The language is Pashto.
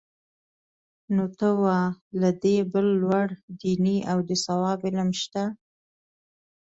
نو ته وا له دې بل لوړ دیني او د ثواب علم شته؟